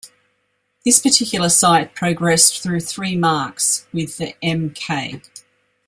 This particular sight progressed through three marks with the Mk.